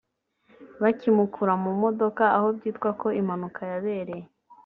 *Bakimukura mu modoka aho byitwa ko impanuka yabereye